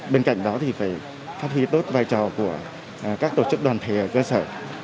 bên cạnh đó thì phải phát huy tốt vai trò của các tổ chức đoàn thể ở cơ sở